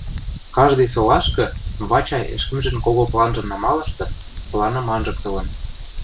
Каждый солашкы Вачай ӹшкӹмжӹн кого планжым намалышты, планым анжыктылын